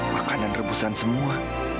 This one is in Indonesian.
makanan rebusan semua